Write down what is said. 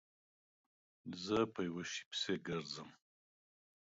زه په یوه شي پسې گرځم